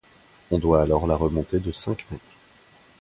On doit alors la remonter de cinq mètres.